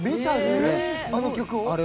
あの曲を？